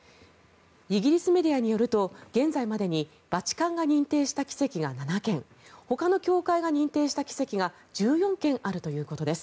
イギリスメディアによると現在までにバチカンが認定した奇跡が７件ほかの教会が認定した奇跡が１４件あるということです。